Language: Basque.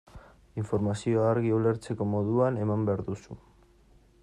Informazioa argi, ulertzeko moduan, eman behar duzu.